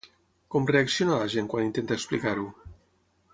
Com reacciona la gent quan intenta explicar-ho?